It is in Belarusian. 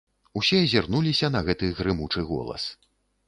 Усе азірнуліся на гэты грымучы голас.